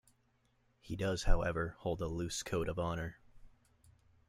He does however hold a loose code of honor.